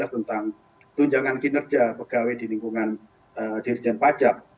tentang tunjangan kinerja pegawai di lingkungan dirjen pajak